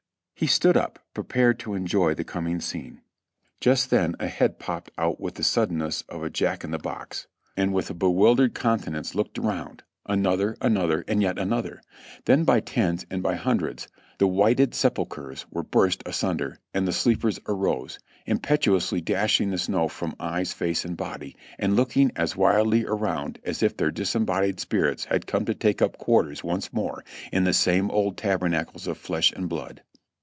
He stood up, prepared to enjoy the coming scene. Just then a head popped out with the suddenness of a Jack in the box, and 340 JOHNNY RKB AND BILI^Y YANK with a bewildered countenance looked around; another, another, and yet another; then by tens and by hundreds the "whited sepulchers" were burst asunder, and the sleepers arose, impetu ously dashing the snow from eyes, face and body, and looking as wildly around as if their disembodied spirits had come to take up quarters once more in the same old tabernacles of flesh and blood.